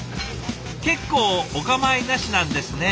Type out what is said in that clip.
結構お構いなしなんですね。